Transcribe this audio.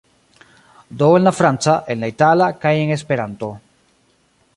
Do en la franca, en la itala, kaj en Esperanto.